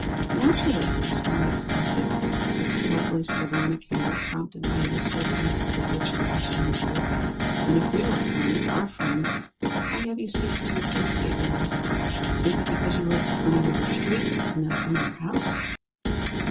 "Naturally," responded Flossy, with a slightly sardonic air, prompted by the acerbity with which the question was put. "Then, if we were friends are friends, why have you ceased to associate with us, simply because you live in another street and a finer house?"